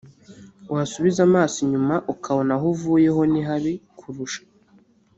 wasubiza amaso inyuma ukabona aho uvuye ho ni habi kurusha